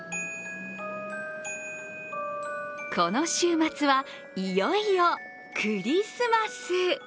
この週末はいよいよクリスマス。